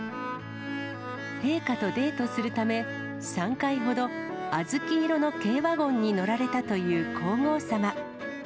陛下とデートするため、３回ほど、小豆色の軽ワゴンに乗られたという皇后さま。